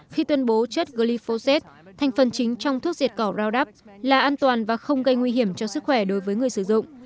khi tuyên bố chất glyphosate thành phần chính trong thuốc diệt cỏ raudap là an toàn và không gây nguy hiểm cho sức khỏe đối với người sử dụng